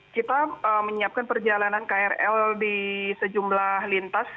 kita menyiapkan perjalanan krl di sejumlah lintas